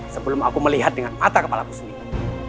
sebelum aku melihat dengan mata kepala ku sendiri